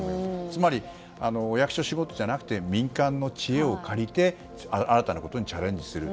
つまり、お役所仕事じゃなくて民間の知恵を借りて新たなことにチャレンジする。